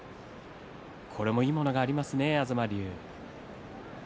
これもいいものがありますね東龍。